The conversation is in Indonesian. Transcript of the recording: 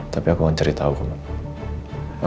tapi aku mau ceritau ke mama